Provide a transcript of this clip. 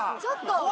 ちょっと。